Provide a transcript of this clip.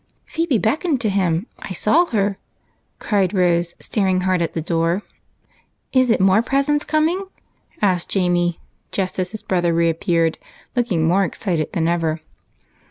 " Phebe beckoned to him ; I saw her," cried Rose, staring hard at the door. " Is it more presents coming ?" asked Jamie, just as his brother re appeared looking more excited than ever.